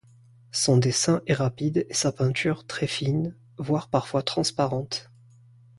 Son dessin est rapide et sa peinture très fine, voire parfois transparente.